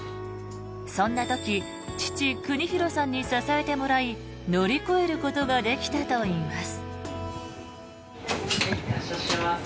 そんな時父・邦宏さんに支えてもらい乗り越えることができたといいます。